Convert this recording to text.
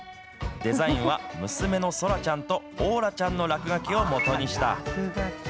デザインは、娘の颯來ちゃんと、桜來ちゃんの落書きをもとにした。